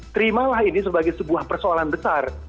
terimalah ini sebagai sebuah persoalan besar